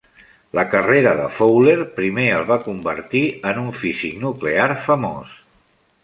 La carrera de Fowler primer el va convertir en un físic nuclear famós.